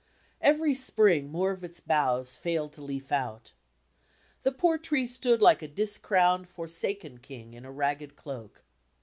Every spring more of its boughs failed to leaf out. The poor tree stood like a discrowned, forsaken king in a ragged cloak.